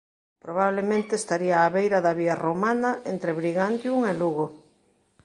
Probablemente estaría á beira da vía romana entre Brigantium e Lugo.